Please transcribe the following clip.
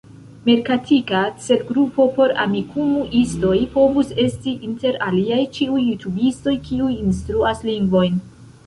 Merkatika celgrupo por Amikumu-istoj povus esti, inter aliaj, ĉiuj jutubistoj kiuj instruas lingvojn.